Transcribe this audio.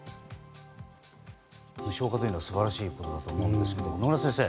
無償化というのは素晴らしい試みだと思いますが野村先生